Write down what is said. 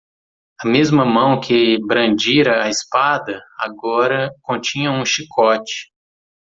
A mesma mão que brandira a espada agora continha um chicote.